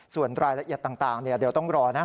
ส่วนรายละเอียดต่างเดี๋ยวต้องรอนะ